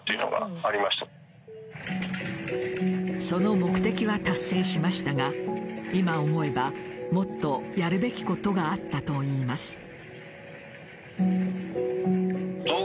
その目的は達成しましたが今思えばもっとやるべきことがあったと言います。